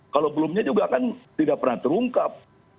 kalau belumnya juga kan tidak pernah terungkap